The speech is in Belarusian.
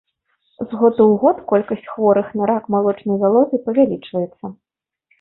З года ў год колькасць хворых на рак малочнай залозы павялічваецца.